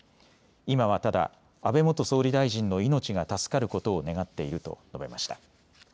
今は、ただ安倍元総理大臣の命が助かることを願っていると述べました。